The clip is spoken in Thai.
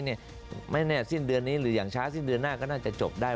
ไม่แน่สิ้นเดือนนี้หรืออย่างช้าสิ้นเดือนหน้าก็น่าจะจบได้